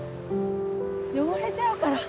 汚れちゃうから。